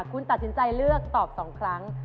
คุณตัดสินใจเลือกตอบ๒ครั้ง